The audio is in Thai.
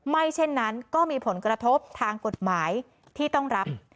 เช่นนั้นก็มีผลกระทบทางกฎหมายที่ต้องรับ